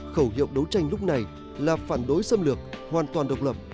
khẩu hiệu đấu tranh lúc này là phản đối xâm lược hoàn toàn độc lập